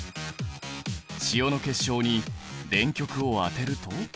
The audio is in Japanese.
塩の結晶に電極を当てると。